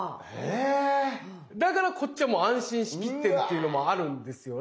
え⁉だからこっちはもう安心しきってっていうのもあるんですよね。